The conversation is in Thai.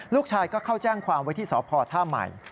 ลูกชายก็เข้าแจ้งความวิทย์สอบพอร์ตท่าใหม่